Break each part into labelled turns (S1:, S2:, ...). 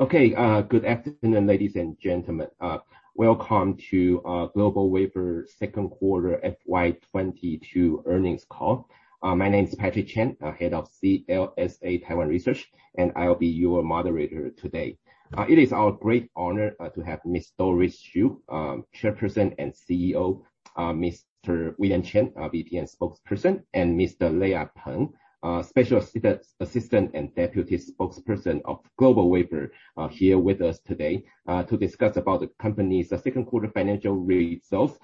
S1: Okay, good afternoon, ladies and gentlemen. Welcome to GlobalWafers second quarter FY 2022 earnings call. My name is Patrick Chen, Head of CLSA Taiwan Research, and I'll be your moderator today. It is our great honor to have Miss Doris Hsu, Chairperson and CEO, Mr. William Chen, our VP and Spokesperson, and Mr. Leo Peng, Special Assistant and Deputy Spokesperson of GlobalWafers, here with us today to discuss about the company's second quarter financial results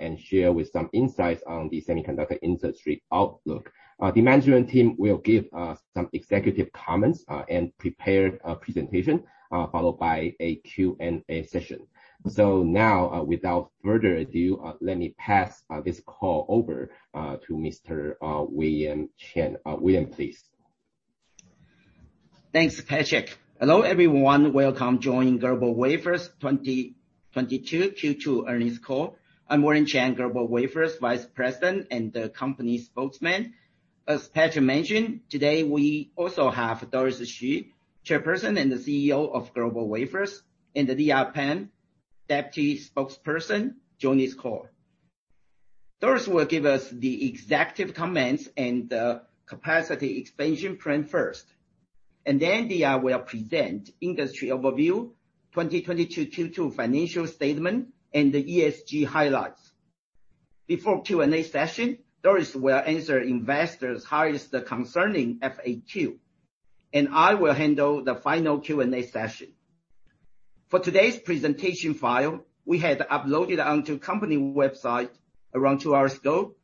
S1: and share with some insights on the semiconductor industry outlook. The management team will give some executive comments and prepare a presentation, followed by a Q&A session. Now, without further ado, let me pass this call over to Mr. William Chen. William, please.
S2: Thanks, Patrick. Hello, everyone. Welcome joining GlobalWafers 2022 Q2 earnings call. I'm William Chen, GlobalWafers Vice President and the company Spokesperson. As Patrick mentioned, today we also have Doris Hsu, Chairperson and CEO of GlobalWafers, and Leo Peng, Deputy Spokesperson, join this call. Doris will give us the executive comments and capacity expansion plan first, and then Leo will present industry overview, 2022 Q2 financial statement and the ESG highlights. Before Q&A session, Doris will answer investors' highest concerning FAQ, and I will handle the final Q&A session. For today's presentation file, we had uploaded onto company website around two hours ago.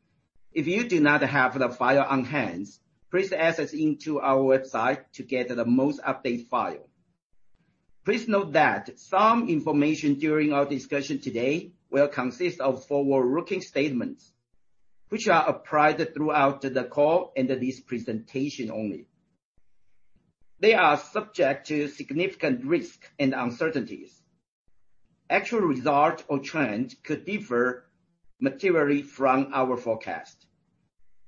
S2: If you do not have the file on hand, please access into our website to get the most updated file. Please note that some information during our discussion today will consist of forward-looking statements which are applied throughout the call and this presentation only. They are subject to significant risk and uncertainties. Actual results or trends could differ materially from our forecast.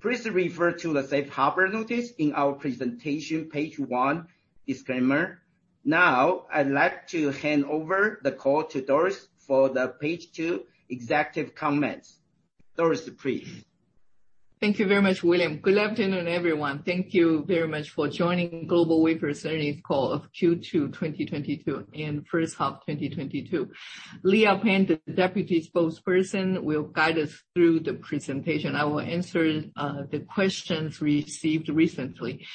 S2: Please refer to the Safe Harbor notice in our presentation page one disclaimer. Now, I'd like to hand over the call to Doris for the page two executive comments. Doris, please.
S3: Thank you very much, William. Good afternoon, everyone. Thank you very much for joining GlobalWafers earnings call of Q2 2022 and first half 2022. Leo Peng, the Deputy Spokesperson, will guide us through the presentation. I will answer the questions received recently.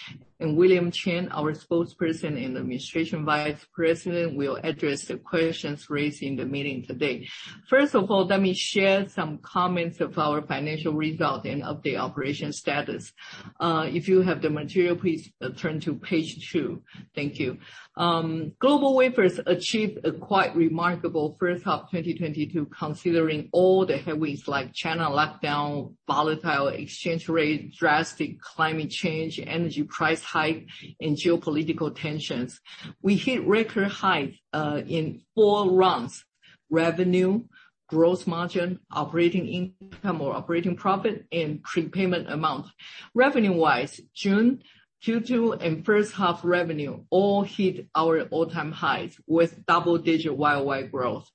S3: William Chen, our Spokesperson and Administration Vice President, will address the questions raised in the meeting today. First of all, let me share some comments of our financial result and of the operation status. If you have the material, please turn to page two. Thank you. GlobalWafers achieved a quite remarkable first half 2022 considering all the headwinds like China lockdown, volatile exchange rate, drastic climate change, energy price hike, and geopolitical tensions. We hit record high in four fronts, revenue, gross margin, operating income or operating profit, and prepayment amount. Revenue-wise, June, Q2, and first half revenue all hit our all-time highs with double-digit year-over-year growth.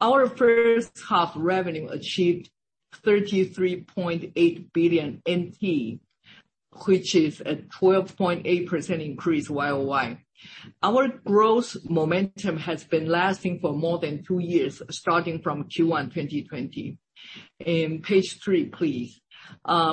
S3: Our first half revenue achieved 33.8 billion NT, which is a 12.8% increase year-over-year. Our growth momentum has been lasting for more than two years, starting from Q1 2020. Page three, please.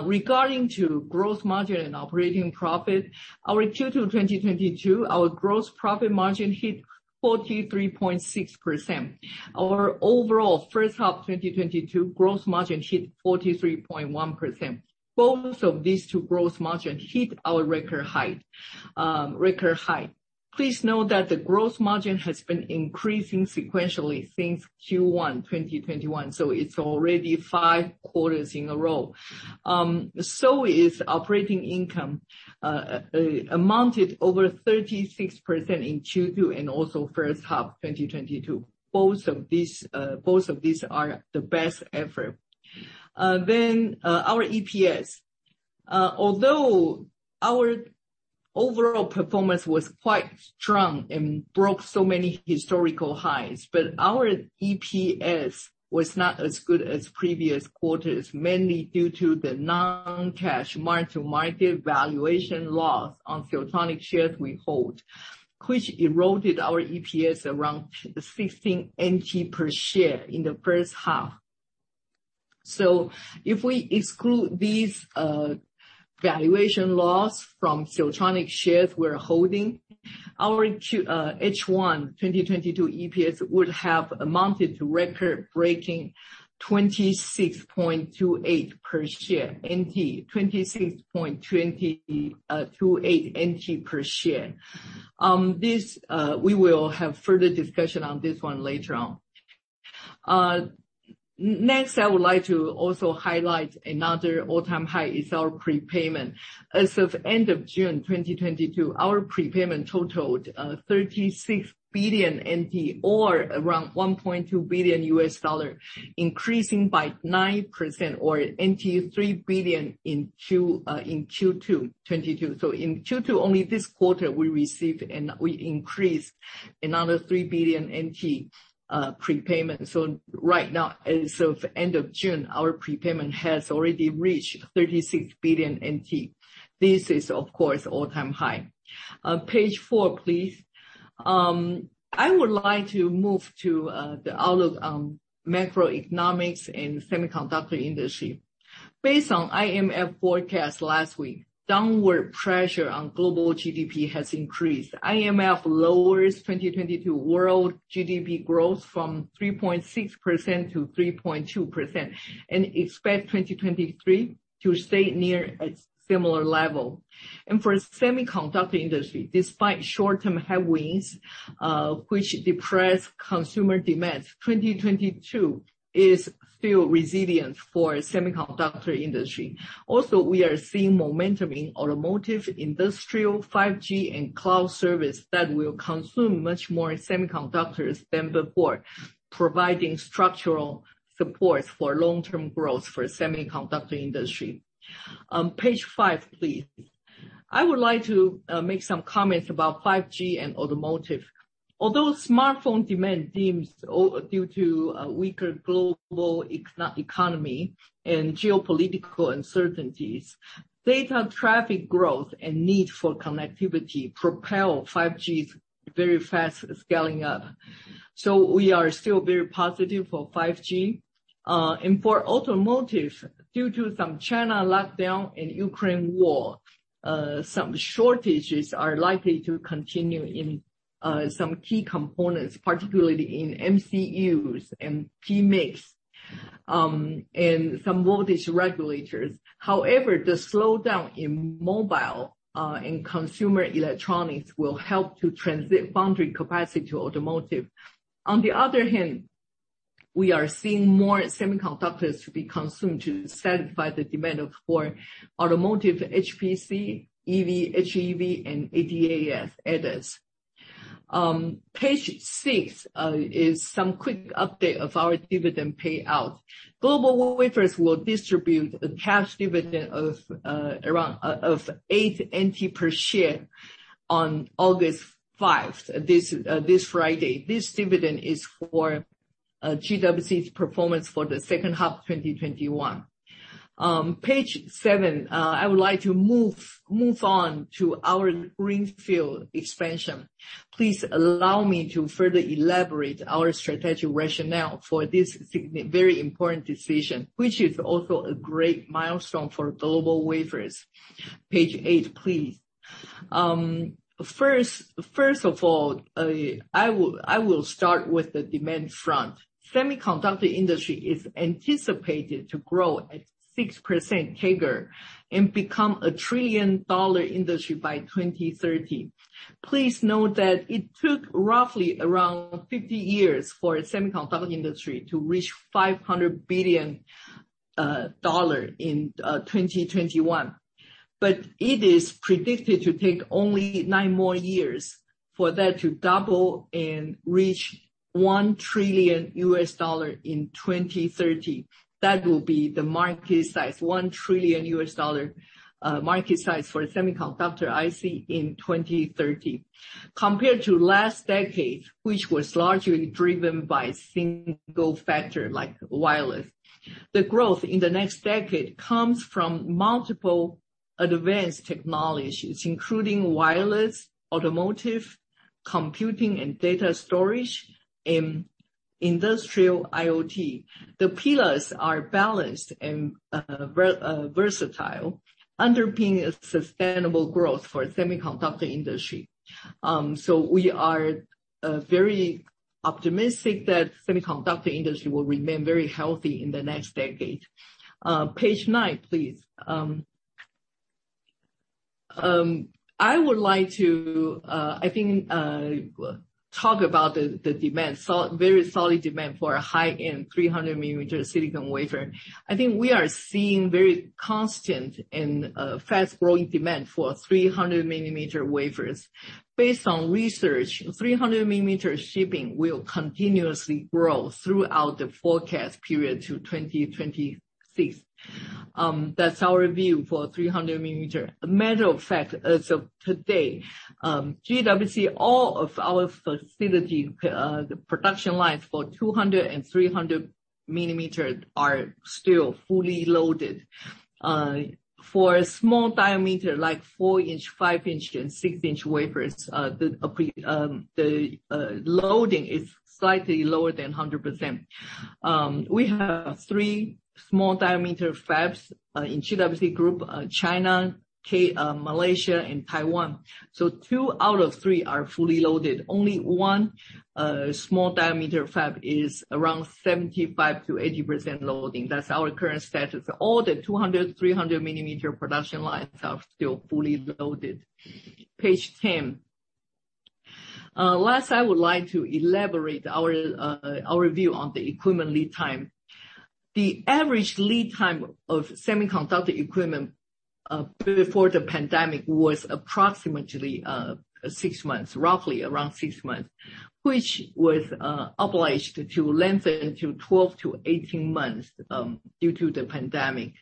S3: Regarding gross margin and operating profit, our Q2 2022 gross profit margin hit 43.6%. Our overall first half 2022 gross margin hit 43.1%. Both of these two gross margin hit our record high. Please note that the gross margin has been increasing sequentially since Q1 2021, so it's already five quarters in a row. So is operating income, amounted to over 36% in Q2 and also first half 2022. Both of these are the best ever. Our EPS. Although our overall performance was quite strong and broke so many historical highs, but our EPS was not as good as previous quarters, mainly due to the non-cash mark-to-market valuation loss on Photronics shares we hold, which eroded our EPS around 16 NT per share in the first half. If we exclude these valuation loss from Photronics shares we're holding, our H1 2022 EPS would have amounted to record-breaking 26.28 per share NT. 26.28 NT per share. We will have further discussion on this one later on. Next, I would like to also highlight another all-time high is our prepayment. As of end of June 2022, our prepayment totaled 36 billion NT or around $1.2 billion, increasing by 9% or 3 billion in Q2 2022. In Q2, only this quarter, we received and we increased another 3 billion NT prepayment. Right now, as of end of June, our prepayment has already reached 36 billion NT. This is of course all-time high. Page four, please. I would like to move to the outlook on macroeconomics and semiconductor industry. Based on IMF forecast last week, downward pressure on global GDP has increased. IMF lowers 2022 world GDP growth from 3.6% to 3.2%, and expect 2023 to stay near a similar level. For semiconductor industry, despite short-term headwinds which depress consumer demand, 2022 is still resilient for semiconductor industry. Also, we are seeing momentum in automotive, industrial, 5G, and cloud service that will consume much more semiconductors than before, providing structural support for long-term growth for semiconductor industry. Page five, please. I would like to make some comments about 5G and automotive. Although smartphone demand dims due to a weaker global economy and geopolitical uncertainties, data traffic growth and need for connectivity propel 5G's very fast scaling up. We are still very positive for 5G. For automotive, due to some China lockdown and Ukraine war, some shortages are likely to continue in some key components, particularly in MCUs and PMICs, and some voltage regulators. However, the slowdown in mobile and consumer electronics will help to transfer foundry capacity to automotive. On the other hand, we are seeing more semiconductors to be consumed to satisfy the demand for automotive HPC, EV, HEV, and ADAS. Page six is some quick update of our dividend payout. GlobalWafers will distribute a cash dividend of around 8 NT per share on August 5th, this Friday. This dividend is for GWC's performance for the second half of 2021. Page seven, I would like to move on to our greenfield expansion. Please allow me to further elaborate our strategic rationale for this very important decision, which is also a great milestone for GlobalWafers. Page eight, please. First of all, I will start with the demand front. Semiconductor industry is anticipated to grow at 6% CAGR and become a trillion-dollar industry by 2030. Please note that it took roughly around 50 years for semiconductor industry to reach $500 billion in 2021. It is predicted to take only nine more years for that to double and reach $1 trillion in 2030. That will be the market size, $1 trillion market size for semiconductor IC in 2030. Compared to last decade, which was largely driven by single factor like wireless, the growth in the next decade comes from multiple advanced technologies, including wireless, automotive, computing and data storage, and industrial IoT. The pillars are balanced and versatile, underpinning a sustainable growth for semiconductor industry. We are very optimistic that semiconductor industry will remain very healthy in the next decade. Page nine, please. I would like to, I think, talk about the demand, very solid demand for a high-end 300 mm silicon wafer. I think we are seeing very constant and fast-growing demand for 300 mm wafers. Based on research, 300 mm shipping will continuously grow throughout the forecast period to 2026. That's our view for 300 mm. Matter of fact, as of today, GWC, all of our facility, the production lines for 200 mm and 300 mm are still fully loaded. For small-diameter, like 4-inch, 5-inch, and 6-inch wafers, the loading is slightly lower than 100%. We have three small-diameter fabs in GWC group, China, Malaysia, and Taiwan. Two out of three are fully loaded. Only one small diameter fab is around 75% to 80% loading. That's our current status. All the 200 mm, 300 mm production lines are still fully loaded. Page 10. Last, I would like to elaborate our view on the equipment lead time. The average lead time of semiconductor equipment before the pandemic was approximately six months, roughly around six months, which was obliged to lengthen to 12 to 18 months due to the pandemic.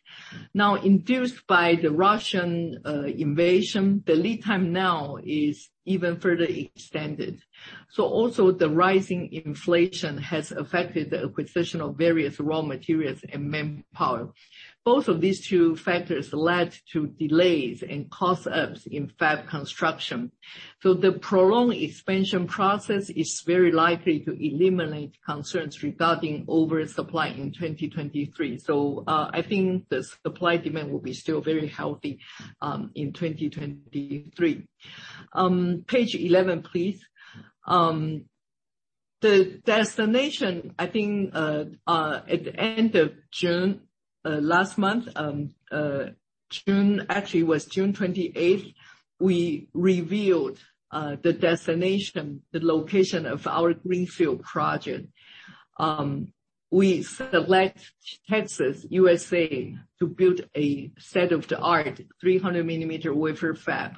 S3: Now, induced by the Russian invasion, the lead time now is even further extended. Also the rising inflation has affected the acquisition of various raw materials and manpower. Both of these two factors led to delays and cost increases in fab construction. The prolonged expansion process is very likely to eliminate concerns regarding oversupply in 2023. I think the supply-demand will be still very healthy in 2023. Page 11, please. The destination, I think, at the end of June last month. Actually, it was June twenty-eighth, we revealed the location of our greenfield project. We selected Texas, U.S.A. to build a state-of-the-art 300 mm wafer fab.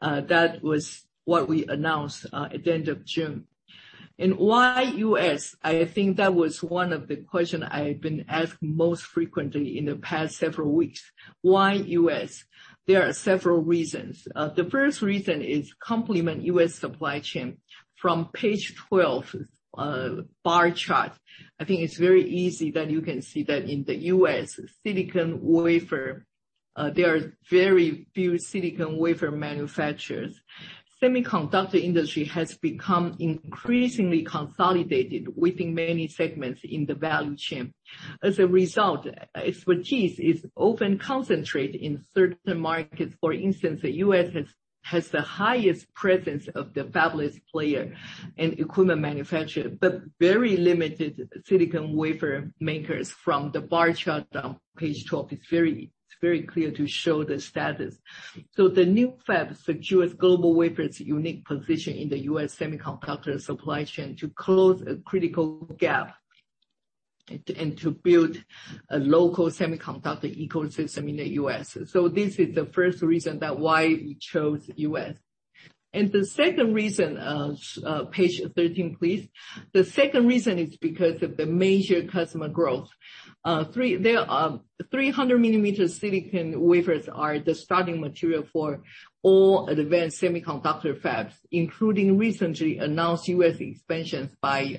S3: That was what we announced at the end of June. Why U.S.? I think that was one of the questions I've been asked most frequently in the past several weeks. Why U.S.? There are several reasons. The first reason is to complement the U.S. supply chain. From page 12, bar chart, I think it's very easy that you can see that in the U.S. silicon wafer, there are very few silicon wafer manufacturers. Semiconductor industry has become increasingly consolidated within many segments in the value chain. As a result, expertise is often concentrated in certain markets. For instance, the U.S. has the highest presence of the fabless player and equipment manufacturer. The very limited silicon wafer makers from the bar chart on page 12 is very clear to show the status. The new fab secures GlobalWafers' unique position in the U.S. semiconductor supply chain to close a critical gap and to build a local semiconductor ecosystem in the U.S. This is the first reason that why we chose U.S. The second reason, page 13, please. The second reason is because of the major customer growth. 300 mm silicon wafers are the starting material for all advanced semiconductor fabs, including recently announced U.S. expansions by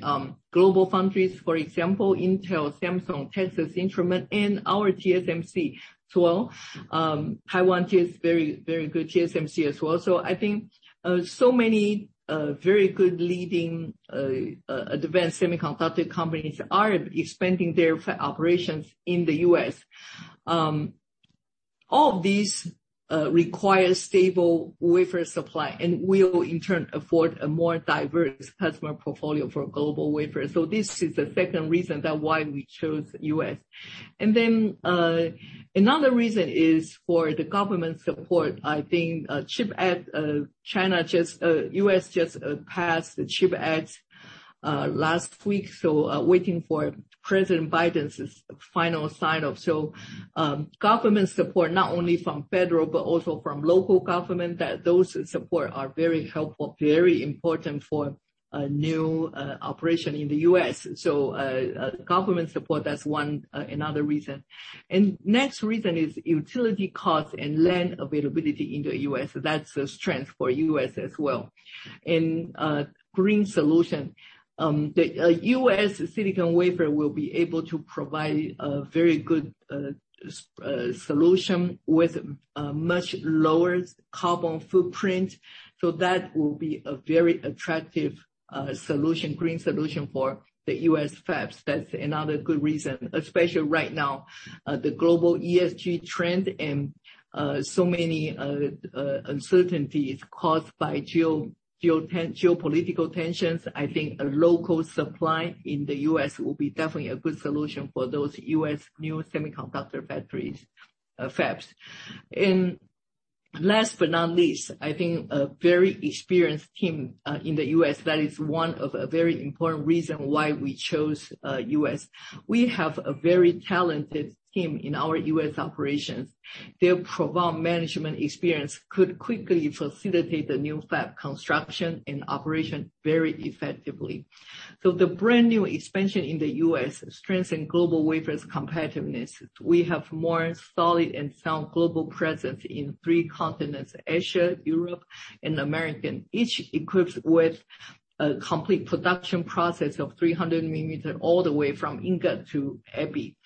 S3: GlobalFoundries. For example, Intel, Samsung, Texas Instruments, and our TSMC as well. Taiwan is very good, TSMC as well. I think so many very good leading advanced semiconductor companies are expanding their operations in the U.S. All of these require stable wafer supply and will in turn afford a more diverse customer portfolio for GlobalWafers. This is the second reason why we chose U.S. Another reason is for the government support. I think CHIPS Act, U.S. Just passed the CHIPS Act last week, waiting for President Biden's final sign-off. Government support, not only from federal but also from local government, that those support are very helpful, very important for a new operation in the U.S. Government support, that's one, another reason. Next reason is utility costs and land availability in the U.S. That's a strength for U.S. as well. In green solution, the U.S. silicon wafer will be able to provide a very good solution with much lower carbon footprint. That will be a very attractive solution, green solution for the U.S. fabs. That's another good reason, especially right now. The global ESG trend and so many uncertainties caused by geopolitical tensions, I think a local supply in the U.S. will be definitely a good solution for those U.S. new semiconductor factories, fabs. Last but not least, I think a very experienced team in the U.S., that is one of a very important reason why we chose U.S. We have a very talented team in our U.S. operations. Their profound management experience could quickly facilitate the new fab construction and operation very effectively. The brand-new expansion in the U.S. strengthen GlobalWafers' competitiveness. We have more solid and sound global presence in three continents: Asia, Europe, and America. Each equipped with a complete production process of 300 mm all the way from ingot to EPI.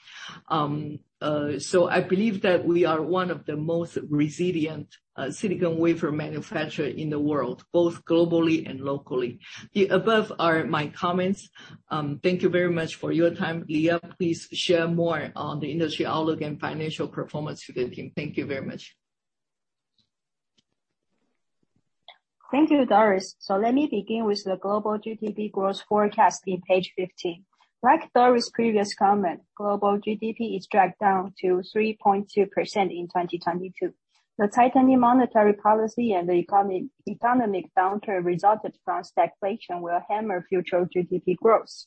S3: I believe that we are one of the most resilient silicon wafer manufacturer in the world, both globally and locally. The above are my comments. Thank you very much for your time. Leah, please share more on the industry outlook and financial performance with the team. Thank you very much.
S4: Thank you, Doris. Let me begin with the global GDP growth forecast in page 15. Like Doris' previous comment, global GDP is dragged down to 3.2% in 2022. The tightening monetary policy and the economic downturn resulted from stagflation will hammer future GDP growth.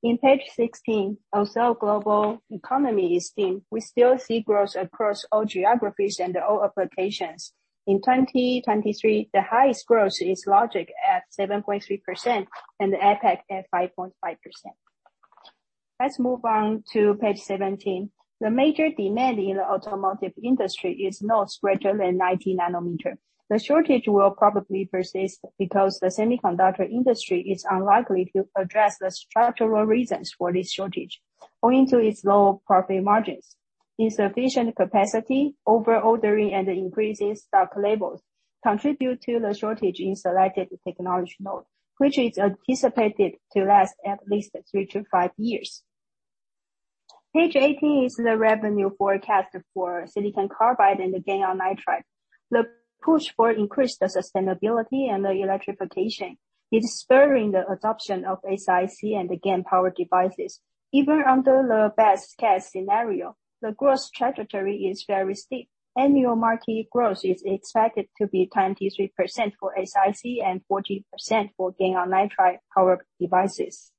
S4: In page 16, the global economy is also dim. We still see growth across all geographies and all applications. In 2023, the highest growth is logic at 7.3% and the APAC at 5.5%. Let's move on to page 17. The major demand in the automotive industry is no greater than 90 nanometer. The shortage will probably persist because the semiconductor industry is unlikely to address the structural reasons for this shortage, owing to its low profit margins. Insufficient capacity, over-ordering, and increasing stock levels contribute to the shortage in selected technology node, which is anticipated to last at least three to five years. Page 18 is the revenue forecast for silicon carbide and the gallium nitride. The push for increased sustainability and the electrification is spurring the adoption of SiC and the GaN power devices. Even under the best-case scenario, the growth trajectory is very steep. Annual market growth is expected to be 23% for SiC and 14% for gallium nitride power devices.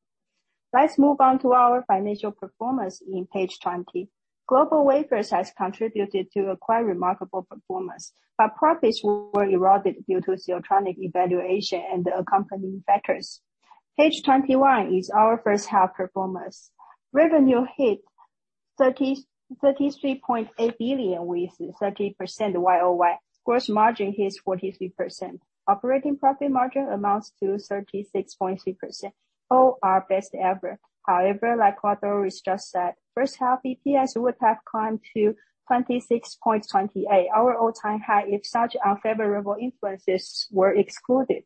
S4: Let's move on to our financial performance in Page 20. GlobalWafers has contributed to a quite remarkable performance, but profits were eroded due to Siltronic devaluation and the accompanying factors. Page 21 is our first half performance. Revenue hit 33.8 billion with 30% YOY. Gross margin hits 43%. Operating profit margin amounts to 36.3%. All our best ever. However, like what Doris just said, first half EPS would have climbed to 26.28, our all-time high, if such unfavorable influences were excluded.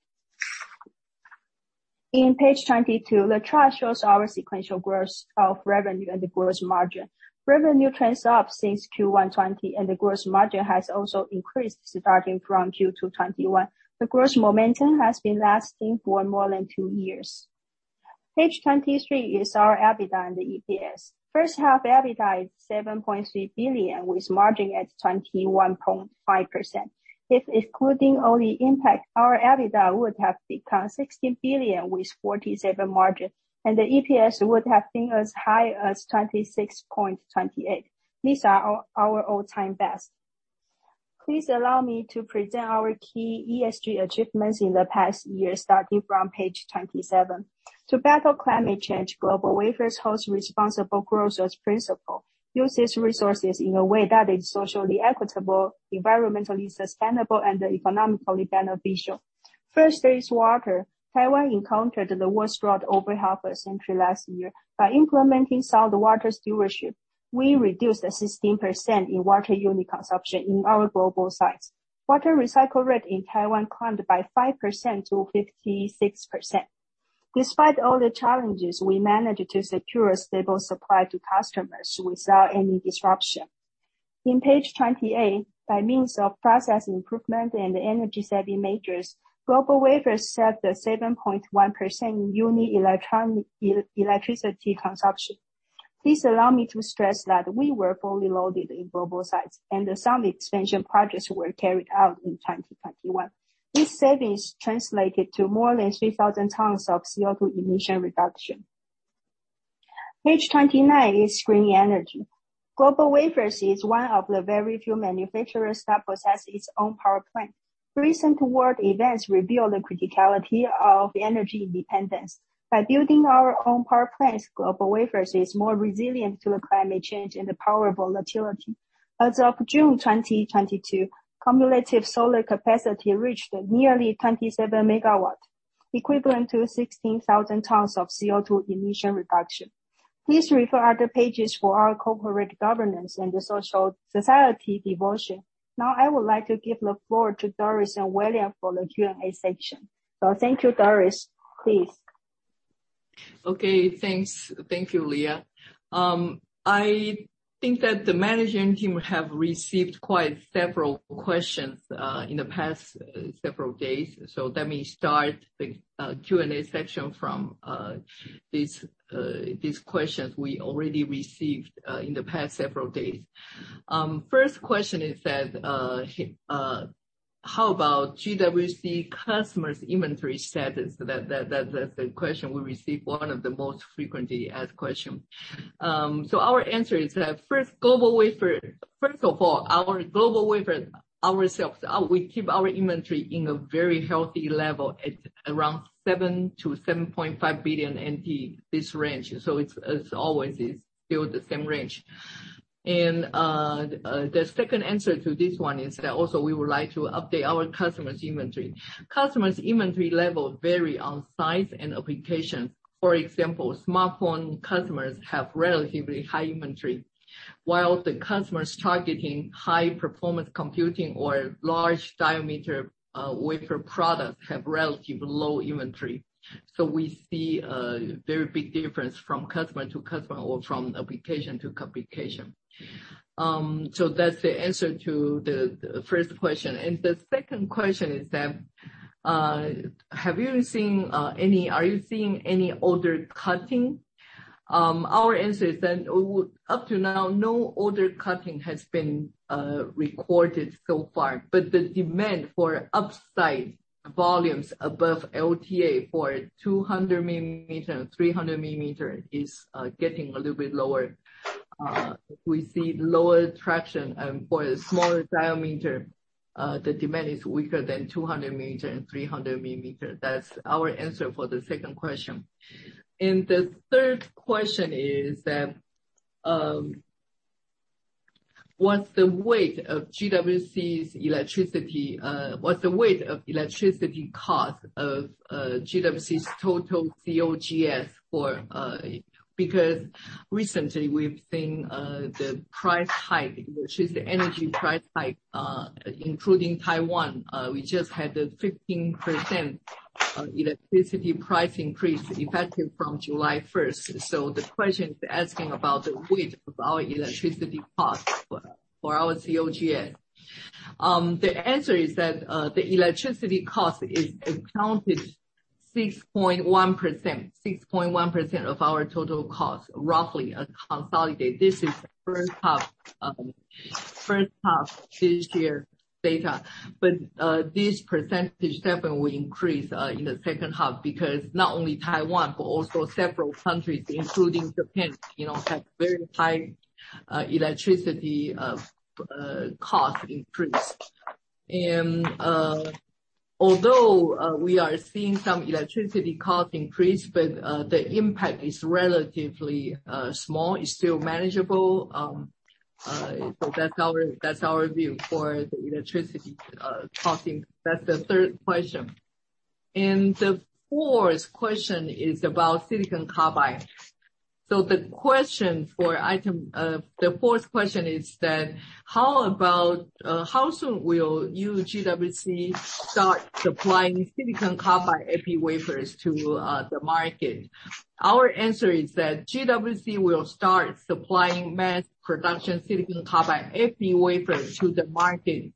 S4: In page 22, the chart shows our sequential growth of revenue and the gross margin. Revenue trends up since Q1 2020, and the gross margin has also increased starting from Q2 2021. The gross momentum has been lasting for more than two years. Page 23 is our EBITDA and EPS. First half EBITDA is 7.3 billion with margin at 21.5%. If excluding all the impact, our EBITDA would have become 16 billion with 47% margin, and the EPS would have been as high as 26.28. These are our all-time best. Please allow me to present our key ESG achievements in the past year, starting from page 27. To battle climate change, GlobalWafers holds responsible growth as principle, uses resources in a way that is socially equitable, environmentally sustainable, and economically beneficial. First is water. Taiwan encountered the worst drought over half a century last year. By implementing sound water stewardship, we reduced 16% in water unit consumption in our global sites. Water recycle rate in Taiwan climbed by 5% to 56%. Despite all the challenges, we managed to secure a stable supply to customers without any disruption. In page 28, by means of process improvement and energy-saving measures, GlobalWafers saved 7.1% in unit electricity consumption. Please allow me to stress that we were fully loaded in global sites, and some expansion projects were carried out in 2021. These savings translated to more than 3,000 tons of CO₂ emission reduction. Page 29 is green energy. GlobalWafers is one of the very few manufacturers that possess its own power plant. Recent world events reveal the criticality of energy independence. By building our own power plants, GlobalWafers is more resilient to the climate change and the power volatility. As of June 2022, cumulative solar capacity reached nearly 27 megawatts, equivalent to 16,000 tons of CO₂ emission reduction. Please refer other pages for our corporate governance and the social society devotion. Now, I would like to give the floor to Doris and William for the Q&A section. Thank you, Doris. Please.
S3: Okay, thanks. Thank you, Leah. I think that the management team have received quite several questions in the past several days. Let me start the Q&A section from these questions we already received in the past several days. First question is that how about GWC customers' inventory status? That's the question we received, one of the most frequently asked question. Our answer is that first of all, our GlobalWafers ourselves, we keep our inventory in a very healthy level at around 7 billion to 7.5 billion NT, this range. It's, as always, is still the same range. The second answer to this one is that also we would like to update our customers' inventory. Customers' inventory level vary on size and applications. For example, smartphone customers have relatively high inventory, while the customers targeting high-performance computing or large diameter wafer products have relatively low inventory. We see a very big difference from customer to customer or from application to application. That's the answer to the first question. The second question is that, are you seeing any order cutting? Our answer is that up to now, no order cutting has been recorded so far. The demand for upside volumes above LTA for 200 mm and 300 mm is getting a little bit lower. We see lower traction for the smaller diameter. The demand is weaker than 200 mm and 300 mm. That's our answer for the second question. The third question is that, what's the weight of electricity cost of GWC's total COGS. Because recently we've seen the price hike, which is the energy price hike, including Taiwan. We just had a 15% electricity price increase effective from July 1st. The question is asking about the weight of our electricity costs for our COGS. The answer is that the electricity cost accounts for 6.1% of our total cost, roughly consolidated. This is the first half this year data. This percentage definitely will increase in the second half because not only Taiwan, but also several countries, including Japan, you know, have very high electricity cost increase. Although we are seeing some electricity cost increase, but the impact is relatively small, it's still manageable. That's our view for the electricity costing. That's the third question. The fourth question is about Silicon Carbide. The question for item, the fourth question is that, how about, how soon will you GWC start supplying Silicon Carbide Epi Wafers to the market? Our answer is that GWC will start supplying mass production Silicon Carbide Epi Wafers to the market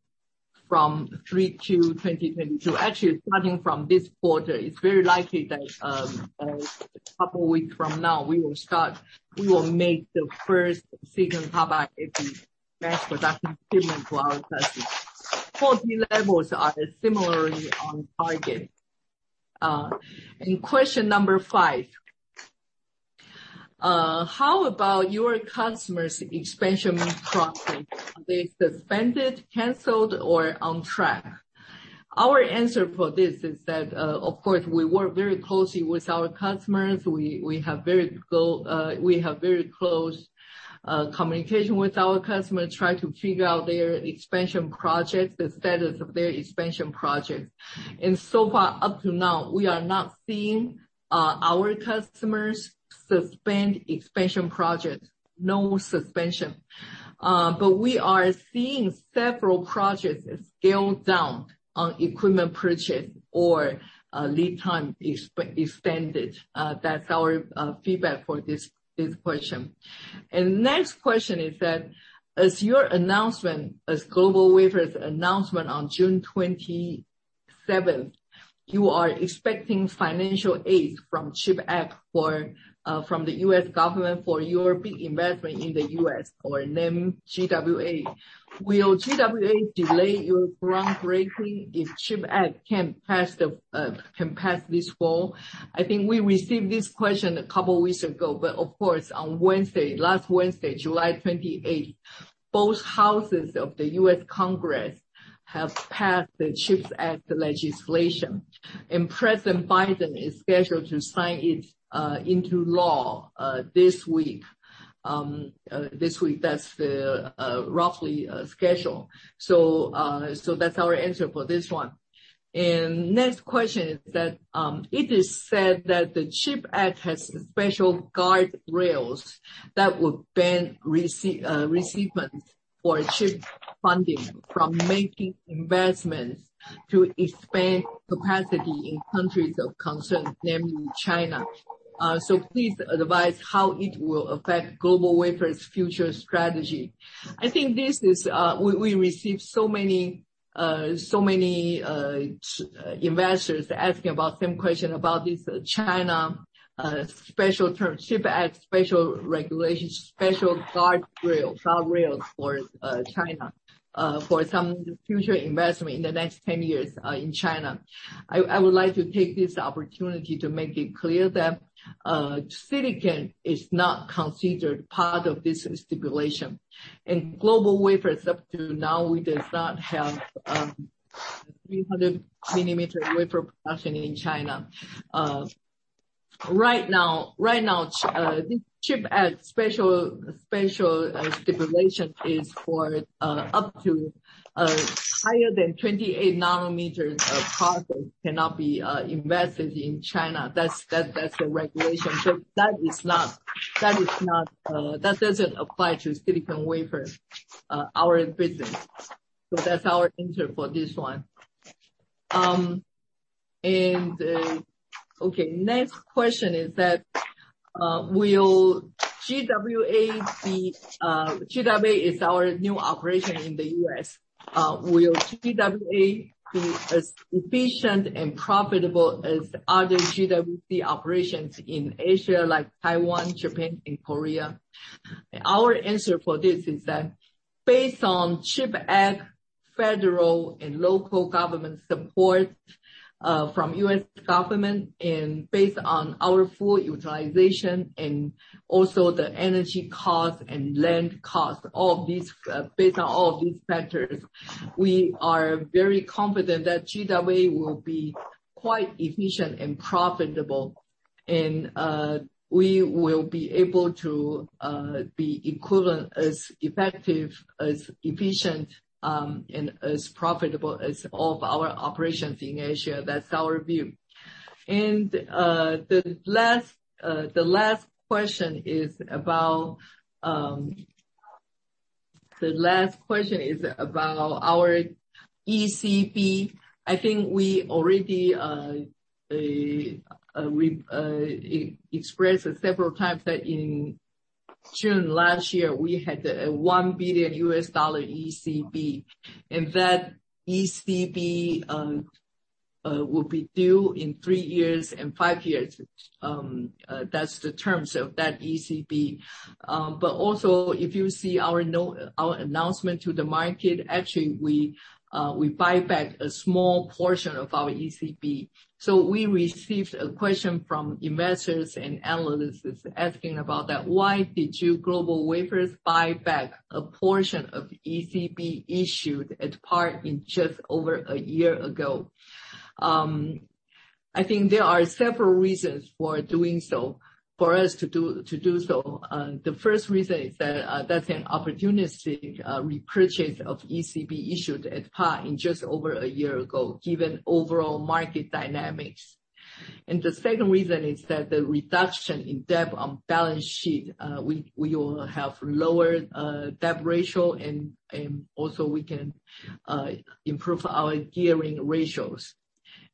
S3: from Q3 2022. Actually, starting from this quarter, it's very likely that a couple weeks from now, we will start. We will make the first Silicon Carbide Epi mass production shipment to our customers. Quality levels are similarly on target. Question number five, how about your customers' expansion crossing? Are they suspended, canceled, or on track? Our answer for this is that, of course, we work very closely with our customers. We have very close communication with our customers, try to figure out their expansion projects, the status of their expansion projects. So far, up to now, we are not seeing our customers suspend expansion projects. No suspension. But we are seeing several projects scaled down on equipment purchase or lead time extended. That's our feedback for this question. Next question is that, as your announcement, as GlobalWafers announcement on June 27th, you are expecting financial aid from CHIPS Act for from the U.S. government for your big investment in the U.S., or named GWA. Will GWA delay your groundbreaking if CHIPS Act can pass this fall? I think we received this question a couple weeks ago, but of course, on Wednesday, last Wednesday, July 28th, both houses of the U.S. Congress have passed the CHIPS Act legislation. President Biden is scheduled to sign it into law this week. That's the rough schedule. That's our answer for this one. Next question is that it is said that the CHIPS Act has special guardrails that would ban recipients for CHIPS funding from making investments to expand capacity in countries of concern, namely China. Please advise how it will affect GlobalWafers' future strategy. I think this is we receive so many investors asking about same question about this China special term, CHIPS Act special regulation, special guardrail, guardrails for China for some future investment in the next 10 years in China. I would like to take this opportunity to make it clear that silicon is not considered part of this stipulation. GlobalWafers up to now it does not have 300 mm wafer production in China. Right now the CHIPS Act special stipulation is for up to higher than 28 nm of process cannot be invested in China. That's the regulation. That doesn't apply to silicon wafer our business. That's our answer for this one. Next question is, GWA is our new operation in the U.S. Will GWA be as efficient and profitable as other GWC operations in Asia, like Taiwan, Japan, and Korea? Our answer for this is that based on CHIPS Act, federal and local government support from U.S. government, and based on our full utilization and also the energy cost and land cost, all of these, based on all of these factors, we are very confident that GWA will be quite efficient and profitable. We will be able to be equivalent, as effective, as efficient, and as profitable as all of our operations in Asia. That's our view. The last question is about our ECB. I think we already expressed several times that in June last year, we had a $1 billion ECB. That ECB will be due in three years and five years. That's the terms of that ECB. Also, if you see our announcement to the market, actually we buy back a small portion of our ECB. We received a question from investors and analysts asking about that, "Why did you, GlobalWafers, buy back a portion of ECB issued at par in just over a year ago?" I think there are several reasons for doing so. The first reason is that that's an opportunity to repurchase ECB issued at par in just over a year ago, given overall market dynamics. The second reason is that the reduction in debt on balance sheet, we will have lower debt ratio and also we can improve our gearing ratios.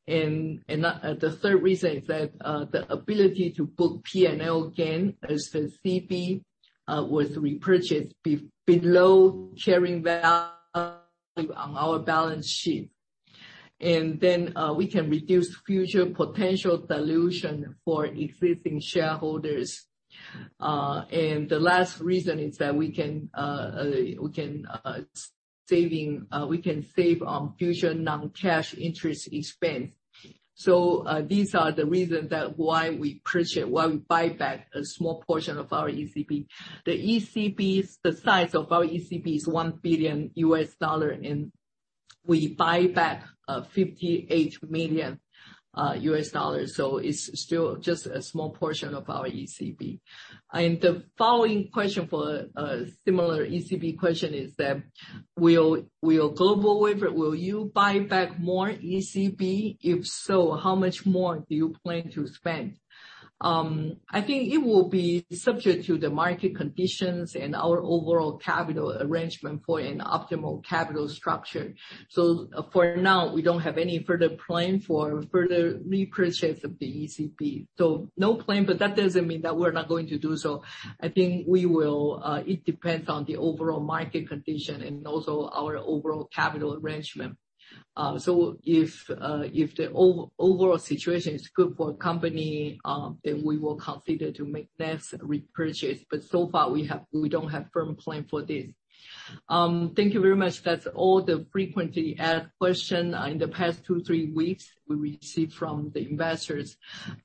S3: The third reason is that the ability to book P&L gain as the CB was repurchased below carrying value on our balance sheet. We can reduce future potential dilution for existing shareholders. The last reason is that we can save on future non-cash interest expense. These are the reasons why we buy back a small portion of our ECB. The ECBs, the size of our ECB is $1 billion, and we buy back $58 million, so it's still just a small portion of our ECB. The following question for a similar ECB question is that, will GlobalWafers buy back more ECB? If so, how much more do you plan to spend? I think it will be subject to the market conditions and our overall capital arrangement for an optimal capital structure. For now, we don't have any further plan for further repurchase of the ECB. No plan, but that doesn't mean that we're not going to do so. I think we will, it depends on the overall market condition and also our overall capital arrangement. If the overall situation is good for a company, then we will consider to make next repurchase. But so far we don't have firm plan for this. Thank you very much. That's all the frequently asked question in the past two, three weeks we received from the investors.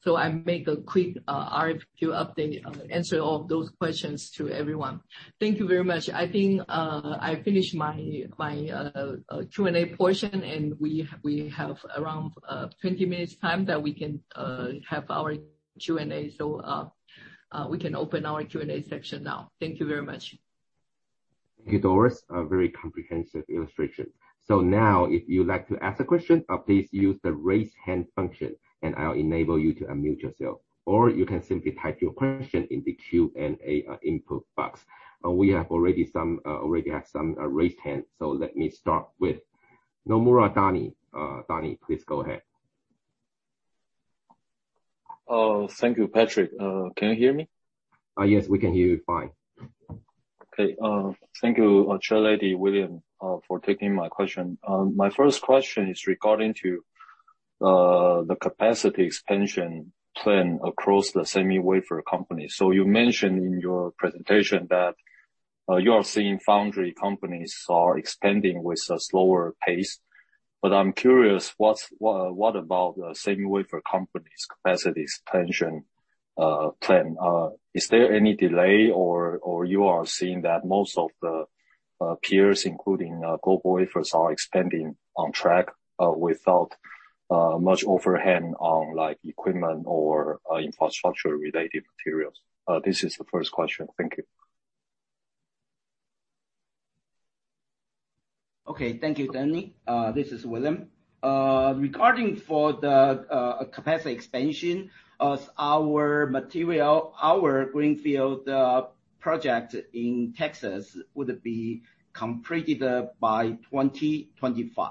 S3: I make a quick, FAQ update, answer all those questions to everyone. Thank you very much. I think, I finished my, Q&A portion, and we have around, 20 minutes time that we can, have our Q&A. We can open our Q&A section now. Thank you very much.
S1: Thank you, Doris. A very comprehensive illustration. Now, if you'd like to ask a question, please use the Raise Hand function, and I'll enable you to unmute yourself. Or you can simply type your question in the Q&A input box. We already have some raised hands, so let me start with Nomura Donnie. Donnie, please go ahead.
S5: Oh, thank you, Patrick. Can you hear me?
S1: Yes, we can hear you fine.
S5: Okay. Thank you, Chairperson, William, for taking my question. My first question is regarding to the capacity expansion plan across the semiconductor wafer company. You mentioned in your presentation that you are seeing foundry companies are expanding with a slower pace. I'm curious, what about the semiconductor wafer company's capacity expansion plan? Is there any delay or you are seeing that most of the peers, including GlobalWafers, are expanding on track without much overhead on, like, equipment or infrastructure related materials? This is the first question. Thank you.
S2: Okay. Thank you, Donnie. This is William. Regarding the capacity expansion, as our material, our greenfield project in Texas would be completed by 2025.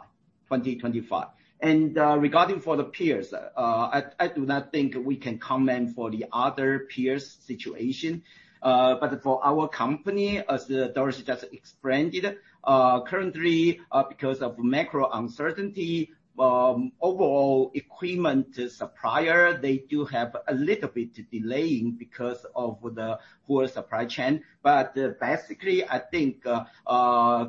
S2: Regarding the peers, I do not think we can comment on the other peers' situation. For our company, as Doris just explained it, currently, because of macro uncertainty, overall equipment suppliers do have a little bit of delay because of the poor supply chain. Basically, I think,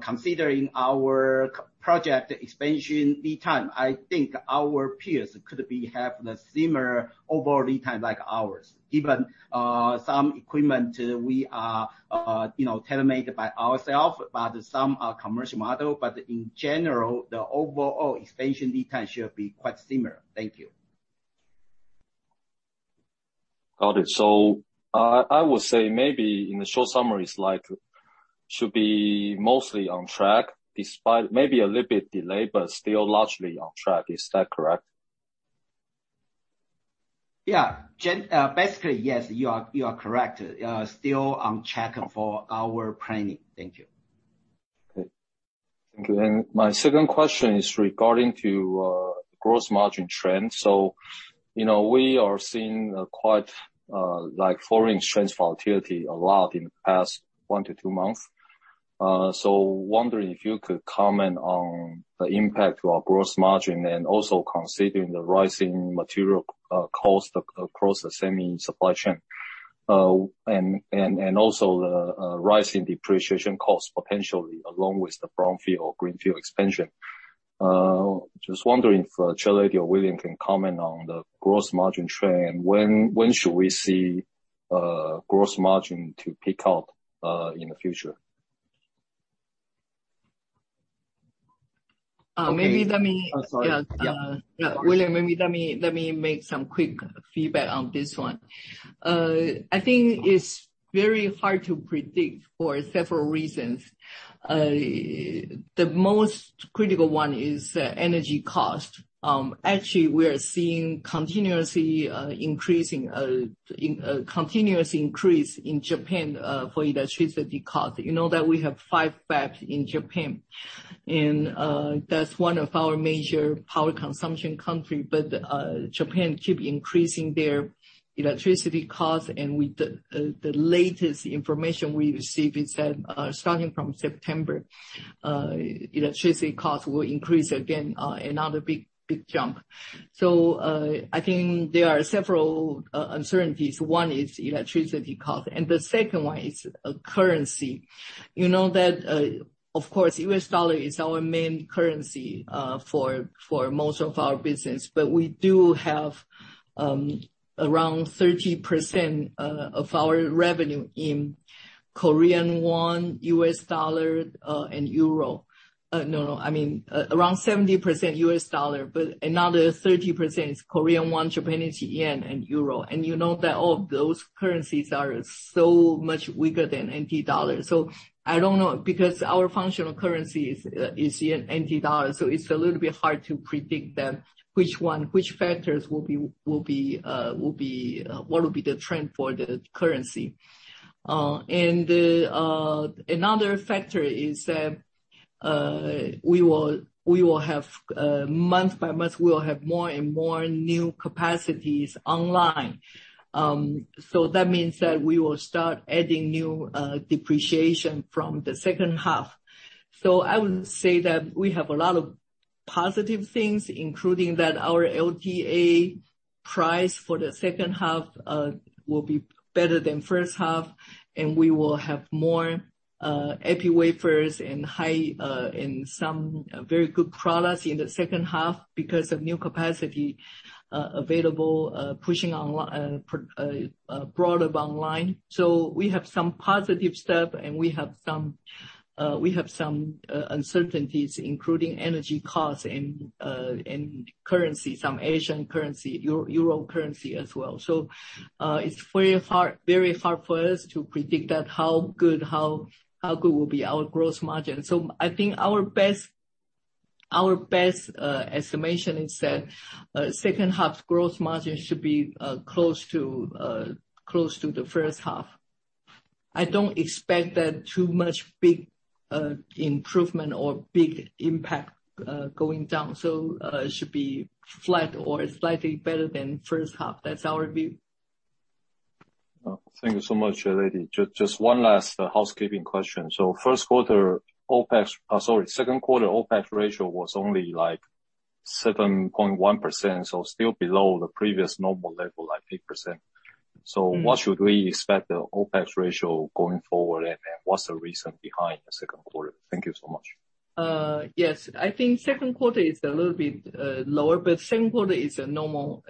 S2: considering our capex project expansion lead time, I think our peers could have the similar overall lead time like ours. Even, some equipment we are, you know, tailor-made by ourselves, but some are commercial models. In general, the overall expansion lead time should be quite similar. Thank you.
S5: Got it. I will say maybe in the short summary slide should be mostly on track despite maybe a little bit delay, but still largely on track. Is that correct?
S2: Yeah. Basically, yes, you are correct. Still on track for our planning. Thank you.
S5: Okay. Thank you. My second question is regarding to gross margin trend. We are seeing quite foreign trends volatility a lot in the past one to two months. Wondering if you could comment on the impact to our gross margin and also considering the rising material cost across the semi supply chain and also the rising depreciation cost potentially along with the brownfield or greenfield expansion. Just wondering if Chairlady or William can comment on the gross margin trend. When should we see gross margin to peak out in the future?
S3: Maybe let me.
S5: Oh, sorry.
S3: William, maybe let me make some quick feedback on this one. I think it's very hard to predict for several reasons. The most critical one is energy cost. Actually, we are seeing continuous increase in Japan for electricity cost. You know that we have five fabs in Japan, and that's one of our major power consumption country. Japan keep increasing their electricity cost. The latest information we received is that, starting from September, electricity costs will increase again, another big jump. I think there are several uncertainties. One is electricity cost, and the second one is currency. You know that, of course, U.S. dollar is our main currency for most of our business. We do have around 30% of our revenue in Korean Won, U.S. dollar, and euro. No, I mean, around 70% U.S. dollar, but another 30% is Korean Won, Japanese yen and euro. You know that all of those currencies are so much weaker than NT dollar. I don't know, because our functional currency is the NT dollar, so it's a little bit hard to predict them, which factors will be what will be the trend for the currency. Another factor is that we will have month by month more and more new capacities online. That means that we will start adding new depreciation from the second half. I would say that we have a lot of positive things, including that our LTA price for the second half will be better than first half, and we will have more Epi wafers and high and some very good products in the second half because of new capacity available brought up online. We have some positive stuff and we have some uncertainties including energy costs and currency, some Asian currency, euro currency as well. It's very hard for us to predict how good our gross margin will be. I think our best estimation is that second half's gross margin should be close to the first half. I don't expect that too much big improvement or big impact going down. It should be flat or slightly better than first half. That's our view.
S5: Thank you so much, Chair Lady. Just one last housekeeping question. First quarter, OpEx, sorry, second quarter OpEx ratio was only like 7.1%, so still below the previous normal level, like 8%. What should we expect the OpEx ratio going forward, and what's the reason behind the second quarter? Thank you so much.
S3: Yes. I think second quarter is a little bit lower, but second quarter is a normal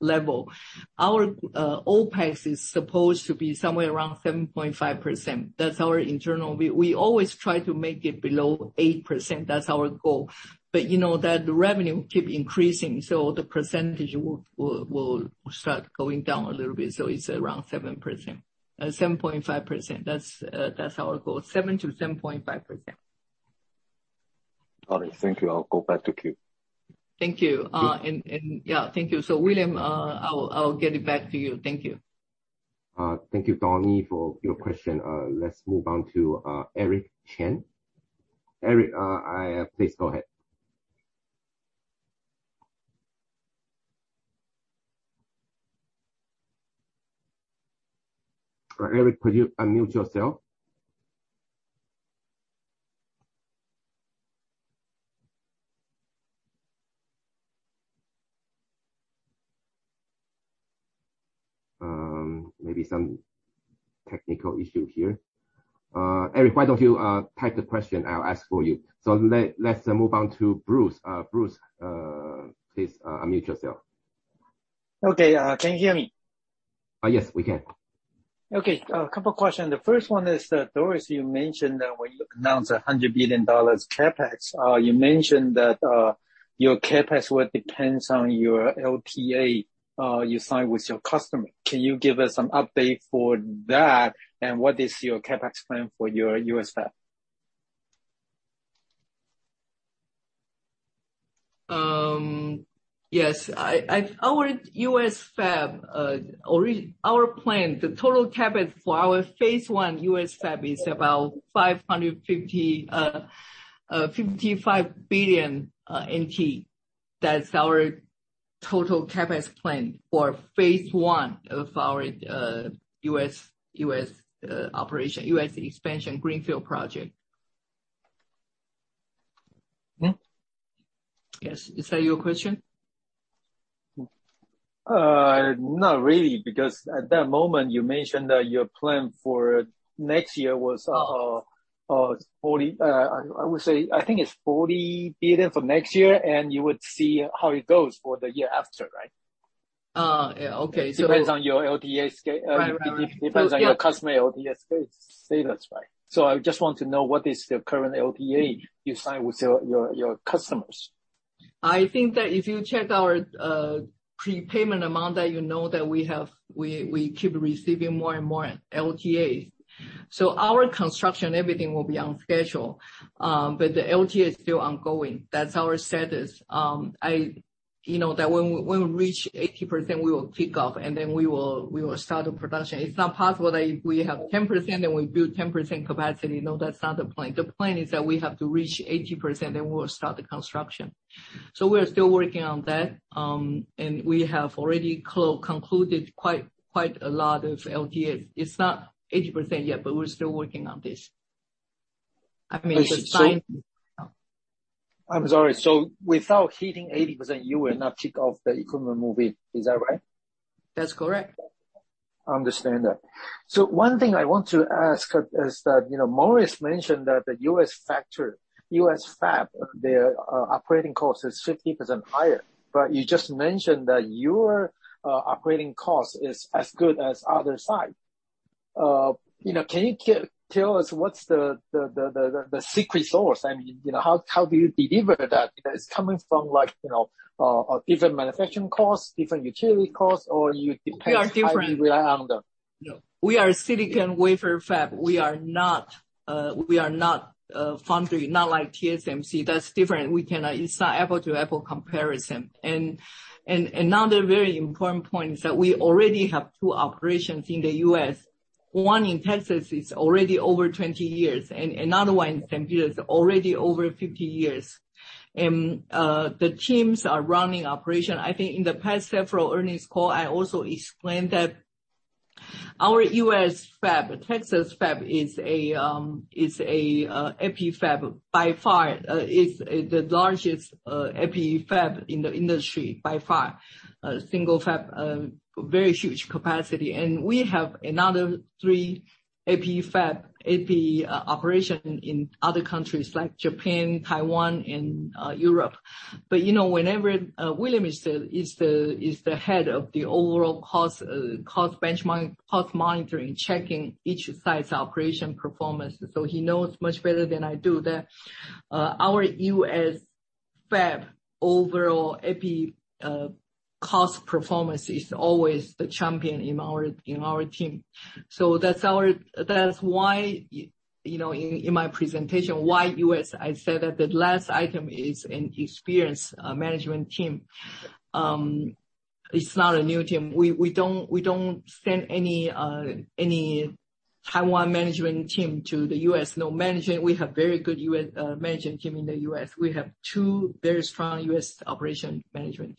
S3: level. Our OpEx is supposed to be somewhere around 7.5%. That's our internal. We always try to make it below 8%. That's our goal. But you know that the revenue keep increasing, so the percentage will start going down a little bit. So it's around 7.5%. That's our goal. 7% to 7.5%.
S5: Got it. Thank you. I'll go back to queue.
S3: Thank you. Yeah, thank you. William, I'll get it back to you. Thank you.
S1: Thank you, Donnie, for your question. Let's move on to Eric Chen. Eric, please go ahead. Eric, could you unmute yourself? Maybe some technical issue here. Eric, why don't you type the question, I'll ask for you. Let's move on to Bruce. Bruce, please unmute yourself.
S6: Okay, can you hear me?
S1: Yes, we can.
S6: Okay. A couple questions. The first one is that, Doris, you mentioned that when you announced $100 billion CapEx, you mentioned that your CapEx will depends on your LTA you sign with your customer. Can you give us some update for that? And what is your CapEx plan for your U.S. fab?
S3: Yes. Our U.S. fab, our plan, the total CapEx for our phase one U.S. fab is about 55 billion NT. That's our total CapEx plan for phase one of our U.S. operation, U.S. expansion greenfield project. Yes. Is that your question?
S6: Not really, because at that moment, you mentioned that your plan for next year was, I would say, I think it's 40 billion for next year, and you would see how it goes for the year after, right?
S3: Yeah, okay.
S6: Depends on your customer LTA status, right. I just want to know what is the current LTA you sign with your customers.
S3: I think that if you check our prepayment amount that you know that we have, we keep receiving more and more LTAs. Our construction, everything will be on schedule. The LTA is still ongoing. That's our status. You know that when we reach 80%, we will kick off, and then we will start the production. It's not possible that if we have 10%, then we build 10% capacity. No, that's not the point. The point is that we have to reach 80%, then we will start the construction. We're still working on that. We have already concluded quite a lot of LTAs. It's not 80% yet, but we're still working on this. I mean, the sign-
S6: I'm sorry. Without hitting 80%, you will not kick off the equipment moving. Is that right?
S3: That's correct.
S6: Understand that. One thing I want to ask is that, you know, Morris mentioned that the U.S. factory, U.S. fab, their operating cost is 50% higher. You just mentioned that your operating cost is as good as other side. You know, can you tell us what's the secret sauce? I mean, you know, how do you deliver that? Is it coming from like, you know, different manufacturing costs, different utility costs, or you-
S3: We are different.
S6: Yeah.
S3: We are silicon wafer fab. We are not foundry, not like TSMC. That's different. We cannot. It's not apples to apples comparison. Another very important point is that we already have two operations in the U.S. One in Texas is already over 20 years, and another one in Tempe is already over 50 years. The teams are running operations. I think in the past several earnings calls, I also explained that our U.S. fab, Texas fab, is an EPI fab. By far, it's the largest EPI fab in the industry, by far. A single fab, a very huge capacity. We have another three EPI operations in other countries like Japan, Taiwan and Europe. You know, whenever. William is the head of the overall cost benchmark, cost monitoring, checking each site's operation performance. He knows much better than I do that our U.S. fab overall EPI cost performance is always the champion in our team. That's why, you know, in my presentation, why U.S., I said that the last item is an experienced management team. It's not a new team. We don't send any Taiwan management team to the U.S. No management. We have very good management team in the U.S. We have two very strong U.S. operation management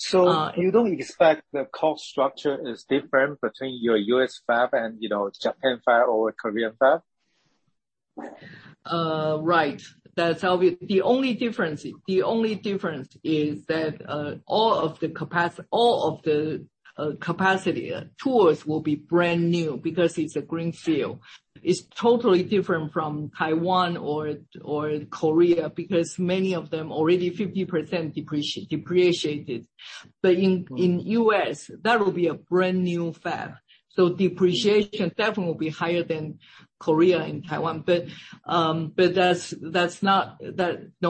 S3: team.
S6: You don't expect the cost structure is different between your U.S. fab and, you know, Japan fab or Korean fab?
S3: Right. The only difference is that all of the capacity tools will be brand new because it's a greenfield. It's totally different from Taiwan or Korea, because many of them already 50% depreciated. In U.S., that will be a brand new fab. Depreciation definitely will be higher than Korea and Taiwan. No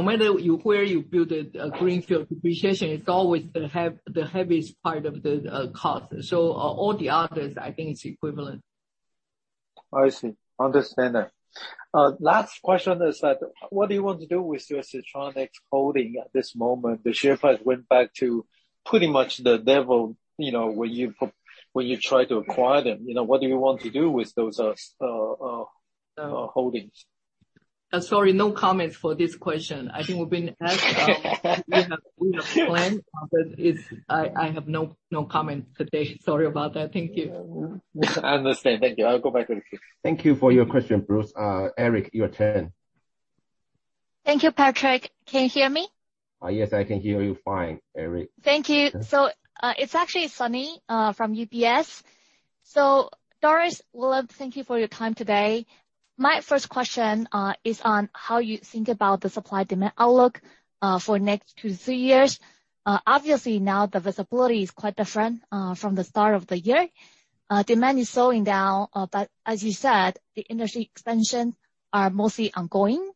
S3: matter where you build a greenfield, depreciation is always the heaviest part of the cost. All the others, I think it's equivalent.
S6: I see. Understand that. Last question is, what do you want to do with your Siltronic holding at this moment? The share price went back to pretty much the level, you know, when you tried to acquire them. You know, what do you want to do with those holdings?
S3: Sorry, no comments for this question. I think we have planned, but I have no comment today. Sorry about that. Thank you.
S6: I understand. Thank you. I'll go back to the queue.
S1: Thank you for your question, Bruce. Eric, your turn.
S7: Thank you, Patrick. Can you hear me?
S1: Yes, I can hear you fine, Eric.
S7: Thank you. It's actually Sunny from UBS. Doris, William, thank you for your time today. My first question is on how you think about the supply-demand outlook for next two to three years. Obviously now the visibility is quite different from the start of the year. Demand is slowing down, but as you said, the industry expansion are mostly ongoing.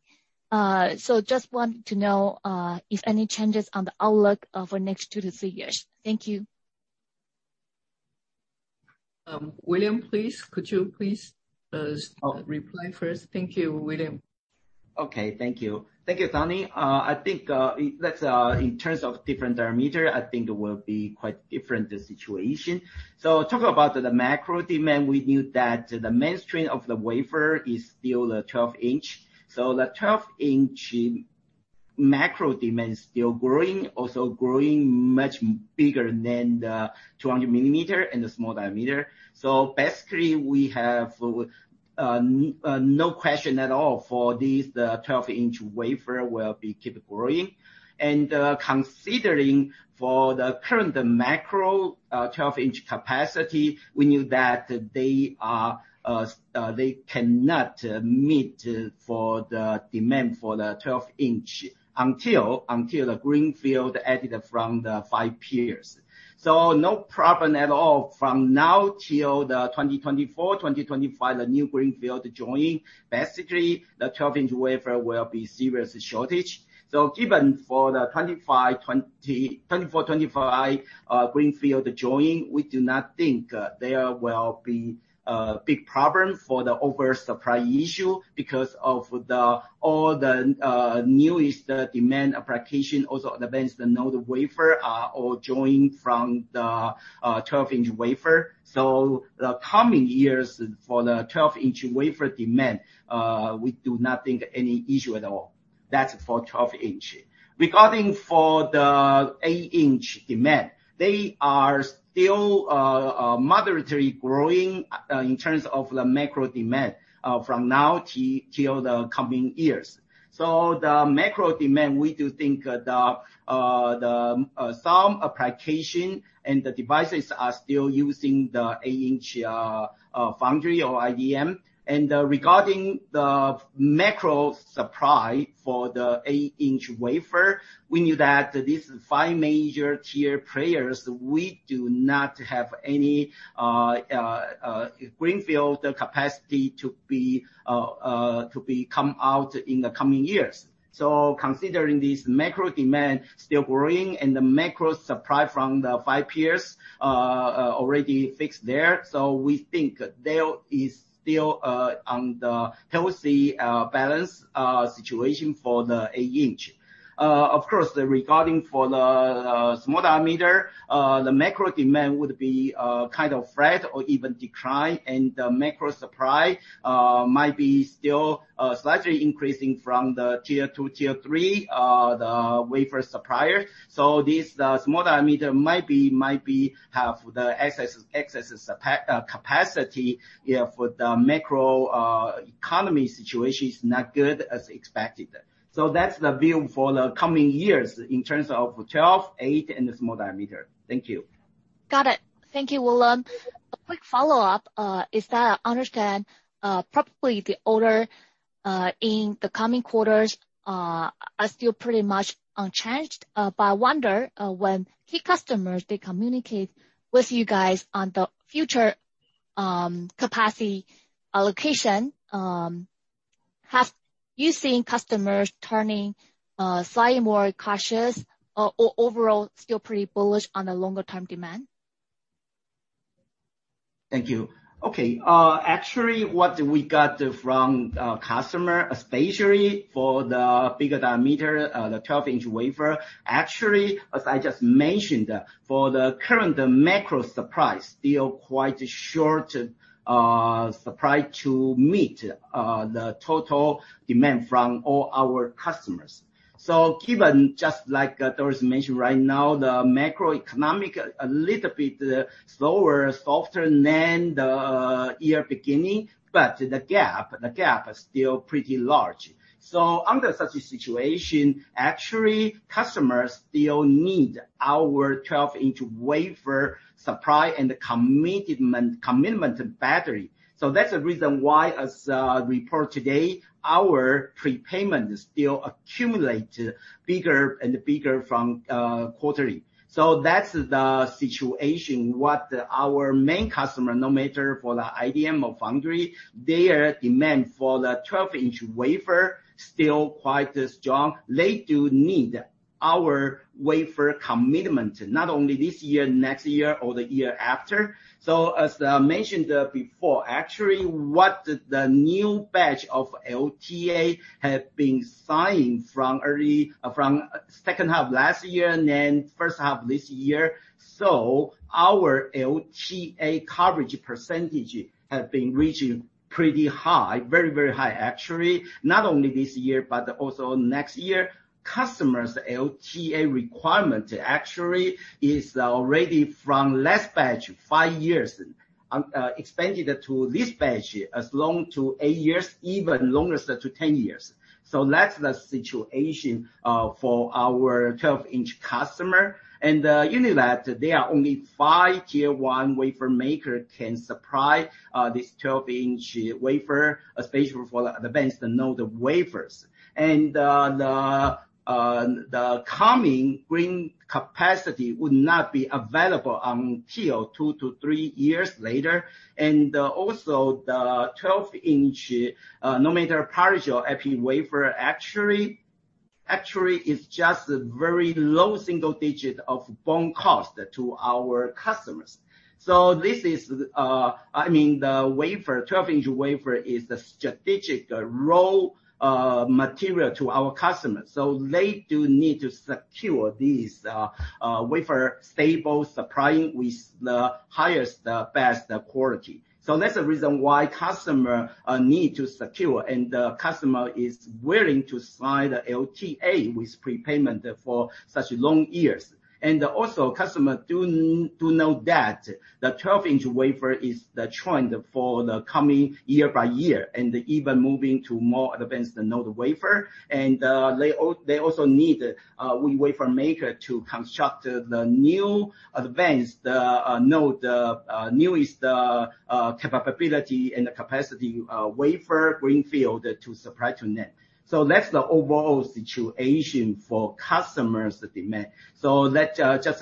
S7: Just want to know if any changes on the outlook for next two to three years. Thank you.
S3: William, please, could you reply first. Thank you, William.
S2: Okay. Thank you. Thank you, Sunny Lin. I think, let's, in terms of different diameter, I think it will be quite different, the situation. Talk about the macro demand, we knew that the mainstream of the wafer is still the 12-inch. The 12-inch macro demand is still growing, also growing much bigger than the 200 mm and the small diameter. Basically we have no question at all for these, the 12-inch wafer will be keep growing. Considering for the current macro, 12-inch capacity, we knew that they are, they cannot meet for the demand for the 12-inch until the greenfield added from the five years. No problem at all from now till 2024, 2025, the new greenfield join. Basically, the 12-inch wafer will be serious shortage. Even for the 2024, 2025 greenfield joint, we do not think there will be a big problem for the oversupply issue because of all the newest demand applications, also advanced node wafers are all sourced from the 12-inch wafer. The coming years for the 12-inch wafer demand, we do not think any issue at all. That's for 12-inch. Regarding the 8-inch demand, they are still moderately growing in terms of the macro demand from now till the coming years. The macro demand, we do think some applications and the devices are still using the 8-inch foundry or IDM. Regarding the macro supply for the 8-inch wafer, we knew that these five major tier players do not have any greenfield capacity to come out in the coming years. Considering this macro demand still growing and the macro supply from the five peers already fixed there, we think there is still a healthy balance situation for the 8-inch. Of course, regarding the small diameter, the macro demand would be kind of flat or even decline, and the macro supply might be still slightly increasing from the tier two, tier three the wafer supplier. This small diameter might have the excess capacity if the macro economy situation is not good as expected. That's the view for the coming years in terms of 12, 8 and the small diameter. Thank you.
S7: Got it. Thank you, William. A quick follow-up is that I understand probably the order in the coming quarters are still pretty much unchanged. I wonder when key customers they communicate with you guys on the future capacity allocation have you seen customers turning slightly more cautious or overall still pretty bullish on the longer term demand?
S2: Thank you. Okay. Actually, what we got from customers, especially for the bigger diameter, the 12-inch wafer. Actually, as I just mentioned, for the current macro supply, still quite short, supply to meet the total demand from all our customers. Given, just like Doris mentioned right now, the macroeconomic a little bit slower, softer than the year beginning, but the gap is still pretty large. Under such a situation, actually customers still need our 12-inch wafer supply and the commitment battery. That's the reason why, as reported today, our prepayment still accumulate bigger and bigger from quarter to quarter. That's the situation. Our main customers, no matter for the IDM or foundry, their demand for the 12-inch wafer still quite strong. They do need our wafer commitment, not only this year, next year or the year after. As I mentioned before, actually what the new batch of LTA have been signed from second half last year, then first half this year. Our LTA coverage percentage has been reaching pretty high, very, very high actually. Not only this year, but also next year. Customer's LTA requirement actually is already from last batch, five years expanded to this batch as long to eight years, even longer as to 10 years. That's the situation for our 12-inch customer. You know that there are only five tier one wafer maker can supply this 12-inch wafer, especially for the advanced node wafers. The coming green capacity would not be available until two to three years later. Also the 12-inch, no matter power or epi wafer, actually is just a very low single digit of BOM cost to our customers. This is, I mean, the wafer, 12-inch wafer is a strategic raw material to our customers. They do need to secure these wafer stable supplying with the highest, best quality. That's the reason why customer need to secure, and the customer is willing to sign a LTA with prepayment for such long years. Customer do know that the 12-inch wafer is the trend for the coming year by year, and even moving to more advanced node wafer. They also need we wafer maker to construct the new advanced node newest capability and the capacity wafer greenfield to supply to them. That's the overall situation for customer demand. Let's just, as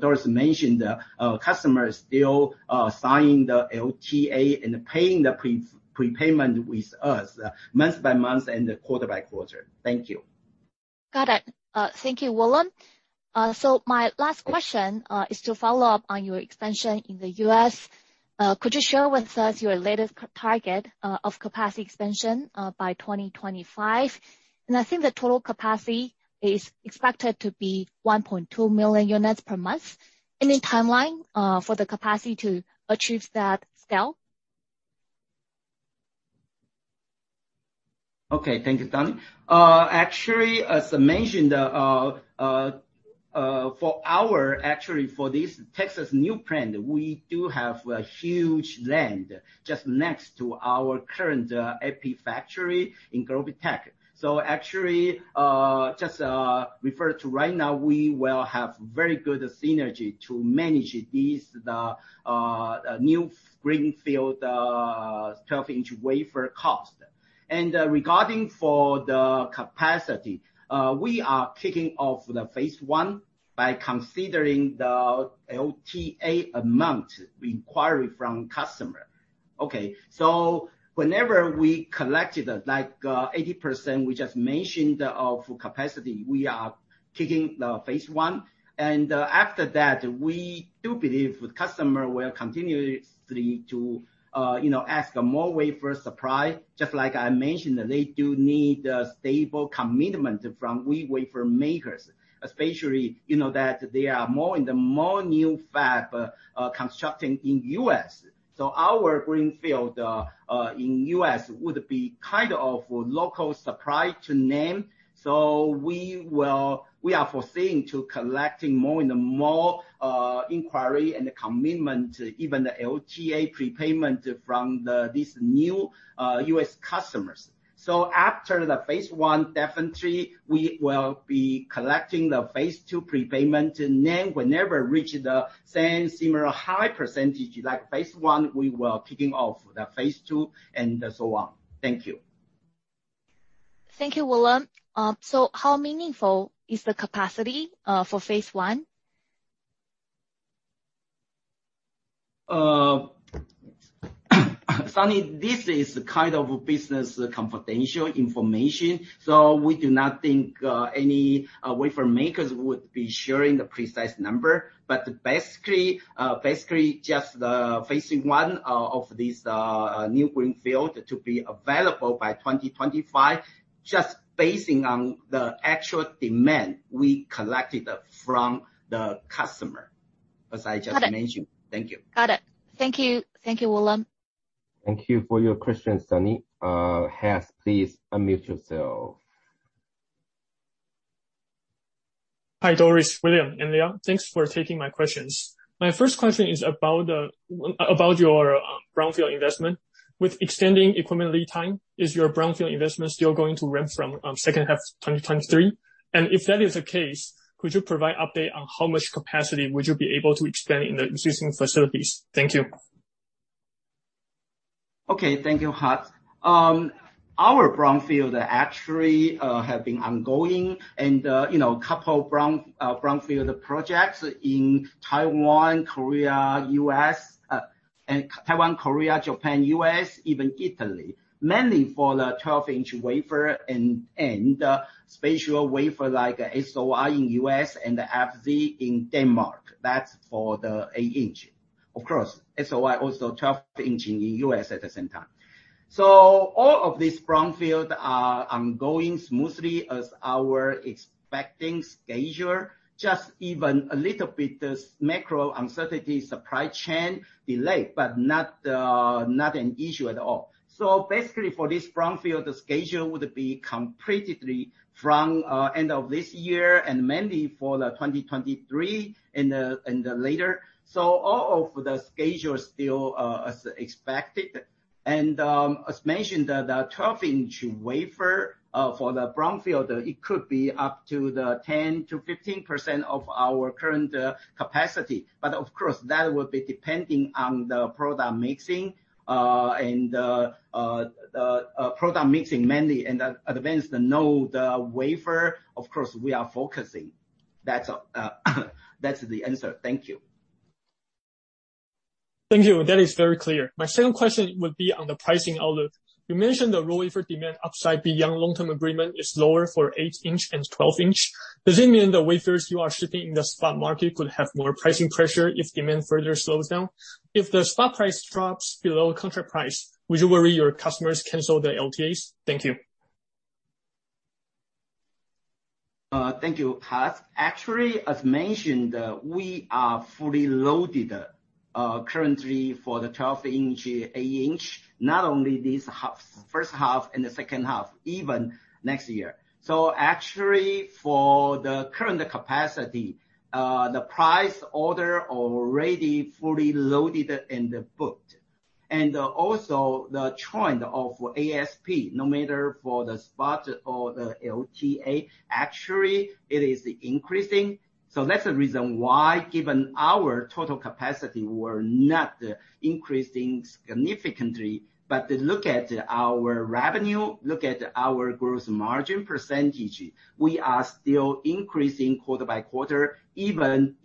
S2: Doris mentioned, customers still signing the LTA and paying the prepayment with us month by month and quarter by quarter. Thank you.
S7: Got it. Thank you, William. So my last question is to follow up on your expansion in the U.S. Could you share with us your latest target of capacity expansion by 2025? I think the total capacity is expected to be 1.2 million units per month. Any timeline for the capacity to achieve that scale?
S2: Okay, thank you, Sunny. Actually, as I mentioned, actually, for this Texas new plant, we do have a huge land just next to our current epi factory in GlobiTech. Actually, just refer to right now, we will have very good synergy to manage this, the new greenfield 12-inch wafer cost. Regarding for the capacity, we are kicking off the phase one by considering the LTA amount inquiry from customer. Okay, whenever we collected, like 80%, we just mentioned of capacity, we are kicking the phase one. After that, we do believe customer will continuously to you know ask more wafer supply. Just like I mentioned, they do need a stable commitment from we wafer makers, especially, you know, that they are more and more new fabs constructing in U.S. Our greenfield in U.S. would be kind of local supply to them. We are foreseeing to collecting more and more inquiry and commitment, even the LTA prepayment from this new U.S. customers. After the phase one, definitely we will be collecting the phase two prepayment. Whenever reach the same similar high percentage like phase one, we will kicking off the phase two and so on. Thank you.
S7: Thank you, William. How meaningful is the capacity for phase one?
S2: Sunny, this is kind of business confidential information, so we do not think any wafer makers would be sharing the precise number. Basically just the phase one of this new greenfield to be available by 2025, just basing on the actual demand we collected from the customer, as I just mentioned.
S7: Got it.
S2: Thank you.
S7: Got it. Thank you. Thank you, William.
S1: Thank you for your question, Sunny. Hart, please unmute yourself.
S8: Hi, Doris, William, and Leo. Thanks for taking my questions. My first question is about your brownfield investment. With extending equipment lead time, is your brownfield investment still going to ramp from second half 2023? If that is the case, could you provide update on how much capacity would you be able to expand in the existing facilities? Thank you.
S2: Okay. Thank you, Hart. Our brownfield actually have been ongoing and you know couple brownfield projects in Taiwan, Korea, Japan, U.S., even Italy, mainly for the 12-inch wafer and special wafer like SOI in U.S. And FZ in Denmark. That's for the 8-inch. Of course, SOI also 12-inch in U.S. at the same time. All of these brownfield are ongoing smoothly as our expecting schedule. Just even a little bit macro uncertainty, supply chain delay, but not an issue at all. Basically for this brownfield, the schedule would be completed from end of this year and mainly for the 2023 and later. All of the schedule still as expected. As mentioned, the 12-inch wafer for the brownfield could be up to 10%-15% of our current capacity. Of course, that will be depending on the product mixing mainly and advanced node, the wafer of course we are focusing. That's the answer. Thank you.
S8: Thank you. That is very clear. My second question would be on the pricing outlook. You mentioned the raw wafer demand upside beyond long-term agreement is lower for 8-inch and 12-inch. Does it mean the wafers you are shipping in the spot market could have more pricing pressure if demand further slows down? If the spot price drops below contract price, would you worry your customers cancel the LTAs? Thank you.
S2: Thank you, Hart. Actually, as mentioned, we are fully loaded currently for the 12-inch, 8-inch, not only this half, first half and the second half, even next year. Actually, for the current capacity, the price order already fully loaded and booked. Also the trend of ASP, no matter for the spot or the LTA, actually it is increasing. That's the reason why given our total capacity, we're not increasing significantly, but look at our revenue, look at our gross margin percentage, we are still increasing quarter by quarter, even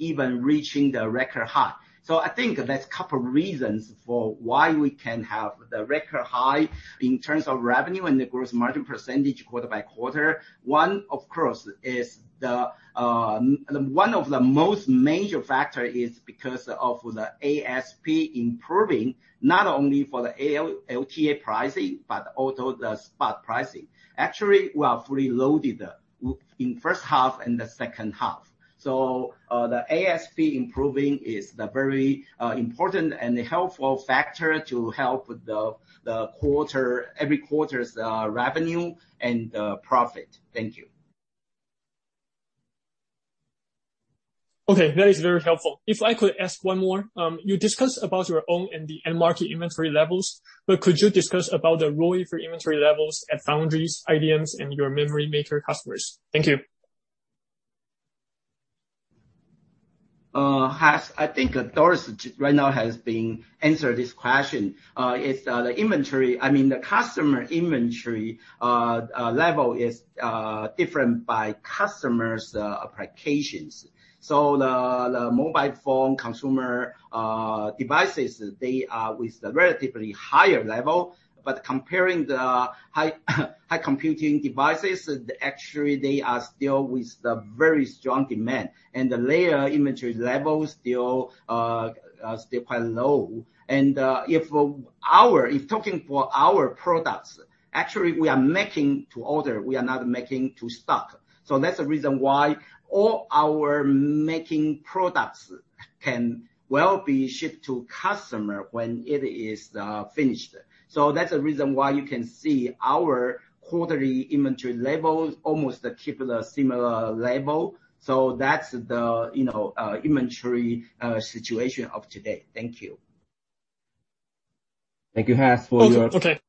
S2: reaching the record high. I think that's couple reasons for why we can have the record high in terms of revenue and the gross margin percentage quarter by quarter. One, of course, is the one of the most major factor is because of the ASP improving, not only for the all LTA pricing, but also the spot pricing. Actually, we are fully loaded in first half and the second half. The ASP improving is the very important and helpful factor to help the quarter, every quarter's revenue and profit. Thank you.
S8: Okay, that is very helpful. If I could ask one more. You discussed about your own NAND end market inventory levels, but could you discuss about the overall inventory levels at foundries, IDMs and your memory maker customers? Thank you.
S2: Hart, I think Doris right now has answered this question. It's the inventory. I mean, the customer inventory level is different by customers' applications. The mobile phone consumer devices, they are with a relatively higher level. Comparing the high computing devices, actually they are still with the very strong demand. The wafer inventory levels still quite low. If talking for our products, actually we are making to order, we are not making to stock. That's the reason why all our making products can well be shipped to customer when it is finished. That's the reason why you can see our quarterly inventory levels almost keep a similar level. That's the, you know, inventory situation of today. Thank you.
S9: Thank you, Hart, for your
S8: Okay.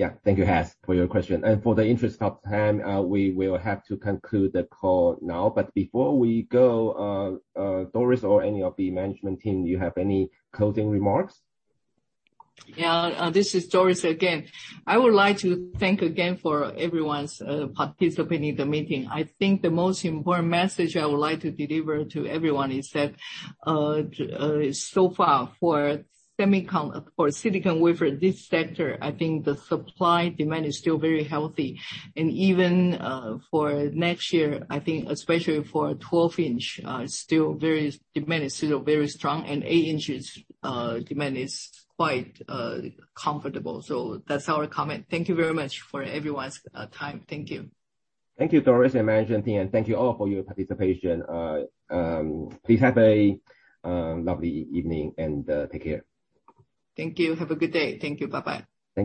S9: Yeah. Thank you, Hart, for your question. In the interest of time, we will have to conclude the call now. Before we go, Doris or any of the management team, do you have any closing remarks?
S3: Yeah. This is Doris again. I would like to thank again for everyone's participating in the meeting. I think the most important message I would like to deliver to everyone is that so far for silicon wafer, this sector, I think the supply demand is still very healthy. Even for next year, I think especially for 12-inch, demand is still very strong, and 8 inches, demand is quite comfortable. That's our comment. Thank you very much for everyone's time. Thank you.
S9: Thank you, Doris and management team. Thank you all for your participation. Please have a lovely evening and take care.
S3: Thank you. Have a good day. Thank you. Bye-bye.